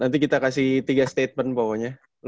nanti kita kasih tiga statement pokoknya